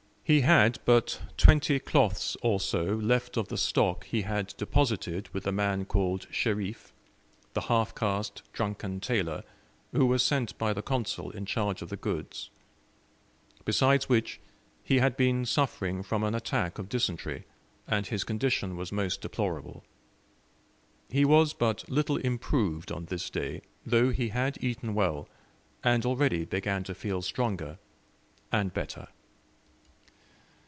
He had but twenty cloths or so left of the stock he had deposited with the man called Sherif, the half caste drunken tailor, who was sent by the Consul in charge of the goods. Besides which he had been suffering from an attack of dysentery, and his condition was most deplorable. He was but little improved on this day, though he had eaten well, and already began to feel stronger and better.